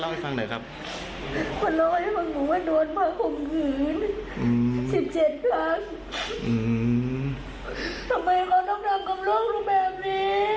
ทำไมก็ต้องทำกำลังรูปแบบนี้